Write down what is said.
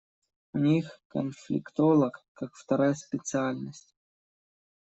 У них конфликтолог как вторая специальность.